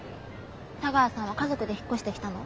茶川さんは家族で引っ越してきたの？